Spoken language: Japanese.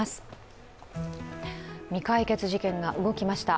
未解決事件が動きました。